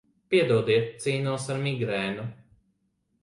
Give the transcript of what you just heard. Piedodiet, cīnos ar migrēnu.